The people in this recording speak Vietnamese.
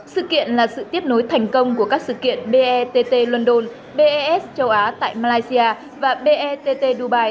sự kiện là sự tiếp nối thành công của các sự kiện bett london bes châu á tại malaysia và bett dubai